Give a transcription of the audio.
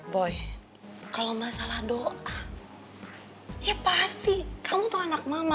boy kalau masalah doa ya pasti kamu tuh anak mama